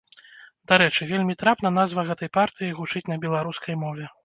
Дарэчы, вельмі трапна назва гэтай партыі гучыць на беларускай мове.